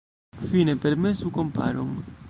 Fine, permesu komparon.